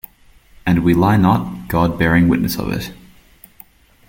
And we lie not, God bearing witness of it.